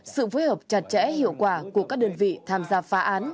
sự phối hợp chặt chẽ hiệu quả của các đơn vị tham gia phá án